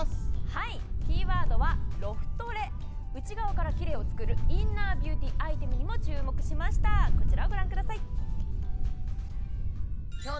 はいキーワードは「ロフトレ」内側からキレイを作るインナービューティーアイテムにも注目しましたこちらをご覧ください